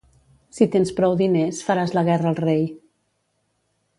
Si tens prou diners, faràs la guerra al rei.